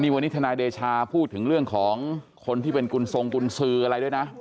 วันนี้ทนายเดชาพูดถึงเรื่องของคนที่เป็นกุญทรงกุญสืออะไรด้วยนะ